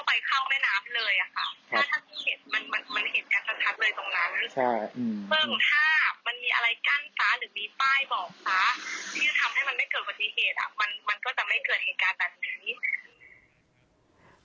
ที่จะทำให้มันไม่เกิดปฏิเหตุอะมันก็จะไม่เกิดเหตุการณ์แบบนี้